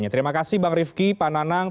terima kasih bang rifki pak nanang